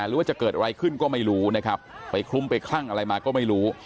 หรือว่าจะเกิดอะไรขึ้นก็ไม่รู้นะครับไปคลุ้มไปคลั่งอะไรมาก็ไม่รู้